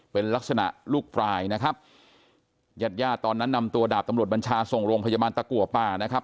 เป็นลักษณะลูกปลายนะครับญาติญาติตอนนั้นนำตัวดาบตำรวจบัญชาส่งโรงพยาบาลตะกัวป่านะครับ